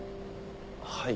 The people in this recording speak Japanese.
はい。